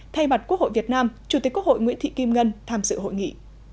thay mặt quốc hội việt nam chủ tịch quốc hội nguyễn thị kim ngân tham dự hội nghị